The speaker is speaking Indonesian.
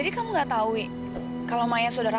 maya saudara aku tinggal di rumahnya mbak lila